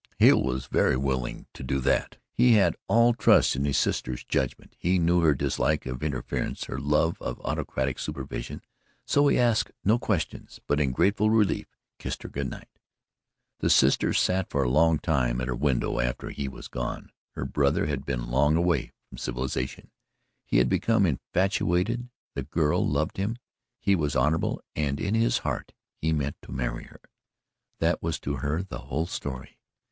Hale was very willing to do that. He had all trust in his sister's judgment, he knew her dislike of interference, her love of autocratic supervision, so he asked no questions, but in grateful relief kissed her good night. The sister sat for a long time at her window after he was gone. Her brother had been long away from civilization; he had become infatuated, the girl loved him, he was honourable and in his heart he meant to marry her that was to her the whole story.